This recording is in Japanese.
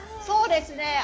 そうですね。